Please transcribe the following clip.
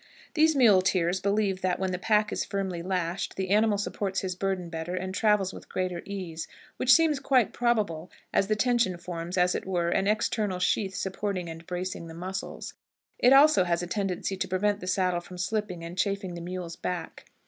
These muleteers believe that, when the pack is firmly lashed, the animal supports his burden better and travels with greater ease, which seems quite probable, as the tension forms, as it were, an external sheath supporting and bracing the muscles. It also has a tendency to prevent the saddle from slipping and chafing the mule's back.